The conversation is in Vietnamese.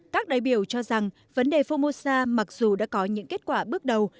các đại biểu cho rằng vấn đề formosa mặc dù đã có những kết quả bước đầu